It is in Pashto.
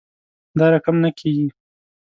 دا رقم نه کیږي